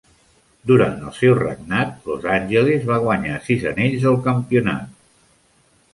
Durant el seu regnat, Los Angeles va guanyar sis anells del campionat.